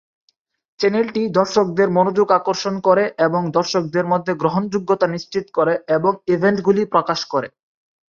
চ্যানেলটি দর্শকদের মনোযোগ আকর্ষণ করে এবং দর্শকদের মধ্যে গ্রহণযোগ্যতা নিশ্চিত করে এবং ইভেন্টগুলি প্রকাশ করে।